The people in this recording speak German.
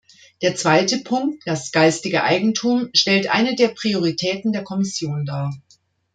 Der zweite Punkt, das geistige Eigentum, stellt eine der Prioritäten der Kommission dar.